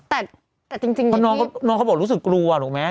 แต่จริงเพราะน้องเขาบอกรู้สึกกลัวถูกไหม